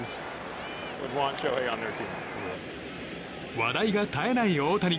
話題が絶えない大谷。